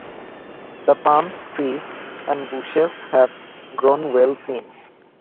The palms, trees and bushes have grown well since.